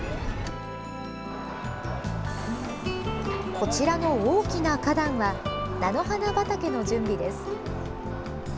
こちらの大きな花壇は菜の花畑の準備です。